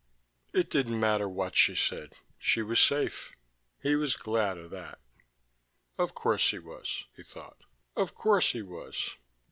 It didn't matter what she said: she was safe. He was glad of that. Of course he was, he thought. Of course he was.